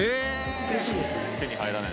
うれしいですね。